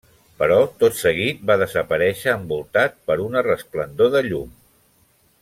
Però tot seguit va desaparèixer envoltat per una resplendor de llum.